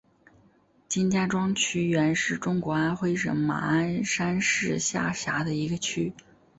金家庄区原是中国安徽省马鞍山市下辖的一个区。